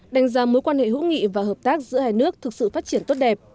đánh giá mối quan hệ hữu nghị và hợp tác giữa hai nước thực sự phát triển tốt đẹp